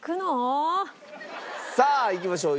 さあいきましょう！